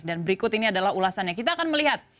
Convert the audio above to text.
dan berikut ini adalah ulasannya kita akan melihat